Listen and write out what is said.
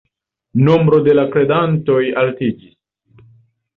Nombro de la kredantoj altiĝis.